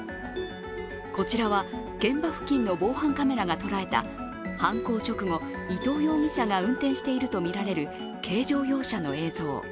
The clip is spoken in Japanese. こちらは現場付近の防犯カメラが捉えた、伊藤容疑者が運転しているとみられる軽乗用車の映像。